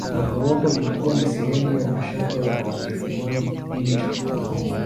magoroto ilikuwa ni sehemu ya mashamba ya wajerumani kipindi cha ukoloni